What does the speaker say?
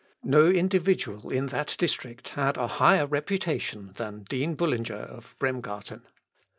No individual in that district had a higher reputation than dean Bullinger of Bremgarten.